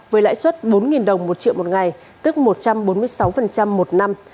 với lãi suất bốn đồng một triệu một ngày tức một trăm bốn mươi sáu một năm